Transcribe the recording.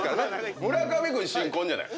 村上君新婚じゃない。